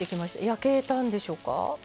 焼けたんでしょうか。